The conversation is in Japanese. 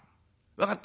分かった。